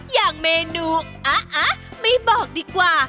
อย่างเมนูอะไม่บอกดีกว่า